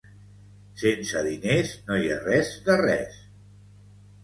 Sense diners no hi ha res de res.